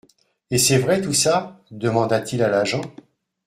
Et c'est vrai tout ça ? demanda-t-il à l'agent.